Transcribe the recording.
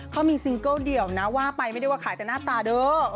เขามีซิงเกิลเดี่ยวนะว่าไปไม่ได้ว่าขายแต่หน้าตาเด้อ